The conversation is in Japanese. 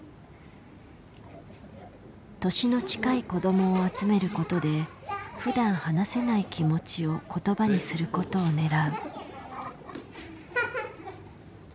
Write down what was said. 年の近い子どもを集めることでふだん話せない気持ちを言葉にすることを狙う。